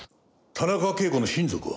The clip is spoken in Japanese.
田中啓子の親族は？